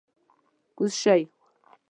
کوز شئ!